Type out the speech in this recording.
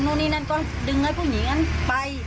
พอสักพักก็ประมาณสัก๑๐สักนาทีได้